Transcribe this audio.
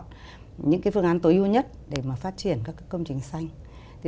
có thể lựa chọn những phương án tối ưu nhất để phát triển các công trình xanh